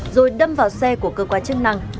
rồi đâm vào xe của cơ quan chức năng